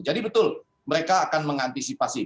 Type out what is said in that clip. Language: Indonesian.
jadi betul mereka akan mengantisipasi